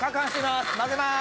混ぜます